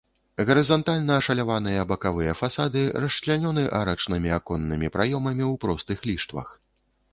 Гарызантальна ашаляваныя бакавыя фасады расчлянёны арачнымі аконнымі праёмамі ў простых ліштвах.